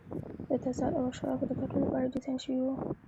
د تزار او اشرافو د ګټو لپاره ډیزاین شوي وو.